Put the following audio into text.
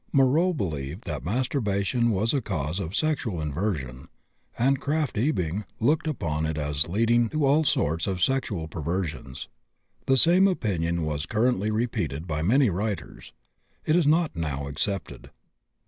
Moreau believed that masturbation was a cause of sexual inversion, and Krafft Ebing looked upon it as leading to all sorts of sexual perversions; the same opinion was currently repeated by many writers. It is not now accepted.